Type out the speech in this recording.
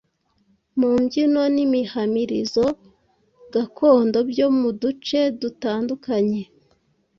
mu mbyino n’imihamirizo gakondo byo mu duce dutandukanye